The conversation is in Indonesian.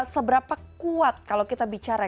seberapa kuat kalau kita bicara